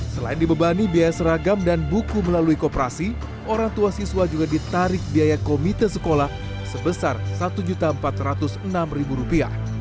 selain dibebani biaya seragam dan buku melalui kooperasi orang tua siswa juga ditarik biaya komite sekolah sebesar rp satu empat ratus enam rupiah